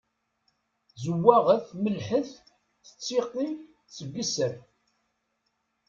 Zewwaɣet, melliḥet, tettiqi seg sser.